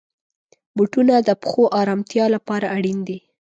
بوټونه د پښو آرامتیا لپاره اړین دي.